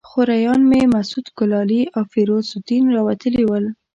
خوریان مې مسعود ګلالي او فیروز الدین راوتلي ول.